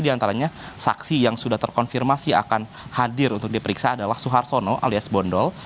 di antaranya saksi yang sudah terkonfirmasi akan hadir untuk diperiksa adalah suhartono alias bondol